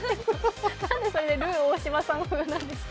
なんでルー大柴さん風なんですか？